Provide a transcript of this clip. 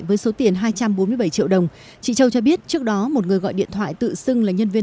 với số tiền hai trăm bốn mươi bảy triệu đồng chị châu cho biết trước đó một người gọi điện thoại tự xưng là nhân viên